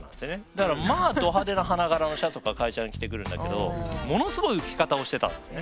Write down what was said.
だからまあど派手な花柄のシャツとか会社に着てくるんだけどものすごい浮き方をしてたんですね。